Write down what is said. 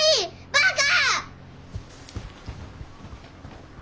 バカ！